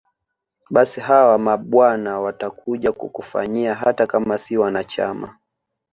Basi hawa mabwana watakuja kukufanyia hata kama si mwanachama